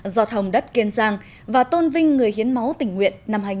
giọt hồng đất kiên giang và tôn vinh người hiến máu tỉnh nguyện năm hai nghìn một mươi chín